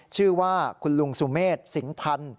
ชื่อว่าคุณลุงสุเมษสิงพันธ์